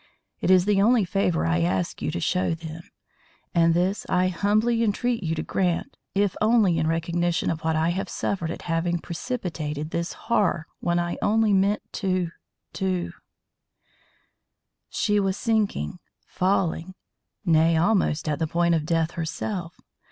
It is the only favour I ask you to show them, and this I humbly entreat you to grant, if only in recognition of what I have suffered at having precipitated this horror when I only meant to to " She was sinking falling nay, almost at the point of death herself.